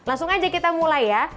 langsung aja kita mulai ya